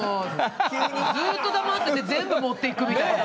ずっと黙ってて全部持っていくみたいな。